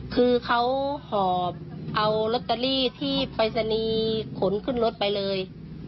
คือเขาหอบเอาร็อตเตอรี่ที่ไปสนีขนขึ้นรถไปเลย